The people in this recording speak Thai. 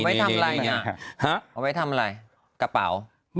เอาไว้ทำอะไรกระเป๋า